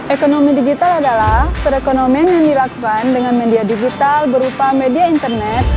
ekonomi digital adalah perekonomian yang dilakukan dengan media digital berupa media internet